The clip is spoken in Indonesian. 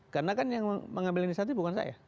karena kan yang mengambil inisiatif bukan saya